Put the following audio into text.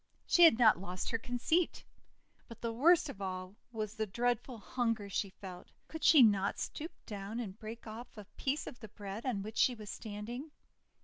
She had not lost her conceit. But the worst of all was the dread ful hunger she felt. Could she not stoop down and break off a piece of the bread on which she was standing?